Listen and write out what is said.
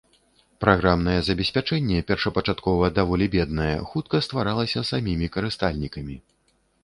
Праграмнае забеспячэнне, першапачаткова даволі беднае, хутка стваралася самімі карыстальнікамі.